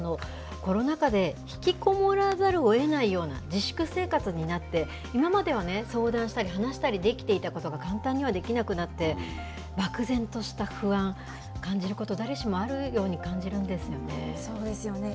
コロナ禍で引きこもらざるをえないような自粛生活になって、今まではね、相談したり話したりできていたことが、簡単にはできなくなって、漠然とした不安感じること、誰しもあるように感じるんでそうですよね。